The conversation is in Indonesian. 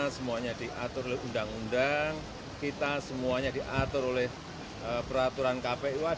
semuanya diatur oleh undang undang kita semuanya diatur oleh peraturan kpu